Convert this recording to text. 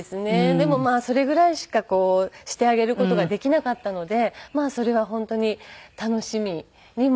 でもまあそれぐらいしかしてあげる事ができなかったのでそれは本当に楽しみにもなっていましたね。